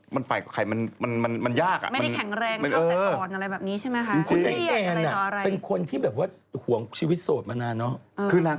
มันฝากไข่มันยาก